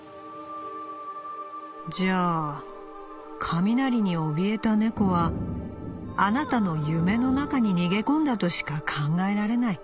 『じゃあ雷におびえた猫はあなたの夢の中に逃げ込んだとしか考えられない。